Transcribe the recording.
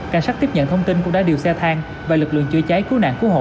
cảnh sát tiếp nhận thông tin cũng đã điều xe thang và lực lượng chữa cháy cứu nạn cứu hộ